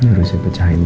ini harus saya pecahinin